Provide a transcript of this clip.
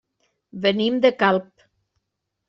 Venim de Calp.